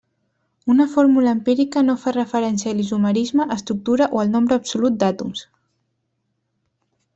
Una fórmula empírica no fa referència a l'isomerisme, estructura o el nombre absolut d'àtoms.